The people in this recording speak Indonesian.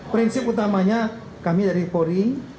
prinsip utamanya kami dari polri